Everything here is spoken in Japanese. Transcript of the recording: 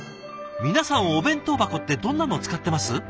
皆さんお弁当箱ってどんなのを使ってます？